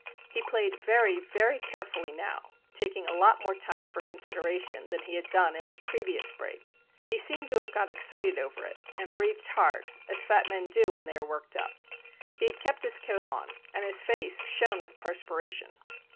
He played very, very carefully now, taking a lot more time for consideration than he had done in his previous break. He seemed to have got excited over it, and breathed hard, as fat men do when they are worked up. He had kept his coat on, and his face shone with perspiration.